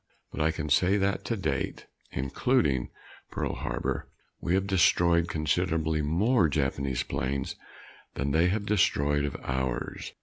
But I can say that to date and including Pearl Harbor we have destroyed considerably more Japanese planes than they have destroyed of ours.